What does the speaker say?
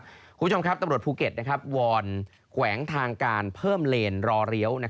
คุณผู้ชมครับตำรวจภูเก็ตวอนแขวงทางการเพิ่มเลนรอเลี้ยว